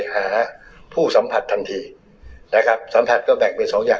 หาผู้สัมผัสทันทีนะครับสัมผัสก็แบ่งเป็นสองอย่าง